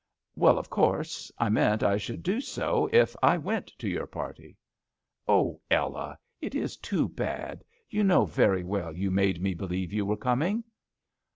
" Well, of course, I meant I should do so if I went to your party." "Oh, Ella, it is too bad! You know very well you made me believe you were coming."